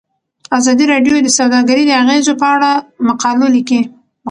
ازادي راډیو د سوداګري د اغیزو په اړه مقالو لیکلي.